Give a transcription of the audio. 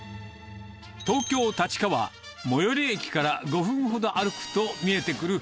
東京・立川、最寄り駅から５分ほど歩くと見えてくる、